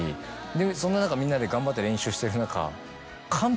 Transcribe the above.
でそんな中みんなで頑張って練習してる中。